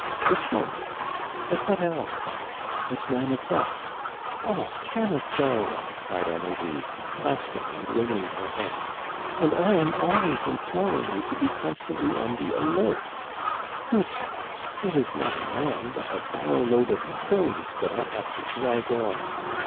"This morning." "At what hour?" "At nine o'clock." "Oh, Camusot!" cried Amelie, clasping and wringing her hands, "and I am always imploring you to be constantly on the alert. Good heavens! it is not a man, but a barrow load of stones that I have to drag on!